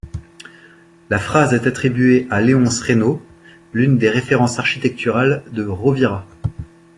La phrase est attribuée à Léonce Reynaud, l'une des références architecturales de Rovira.